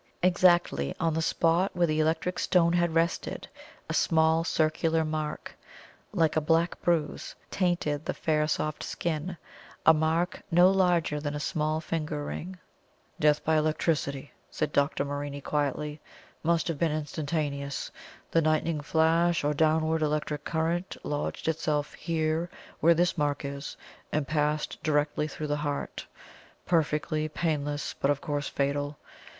Exactly on the spot where the electric stone had rested, a small circular mark, like a black bruise, tainted the fair soft skin a mark no larger than a small finger ring. "Death by electricity," said Dr. Morini quietly. "Must have been instantaneous. The lightning flash, or downward electric current, lodged itself here, where this mark is, and passed directly through the heart. Perfectly painless, but of course fatal.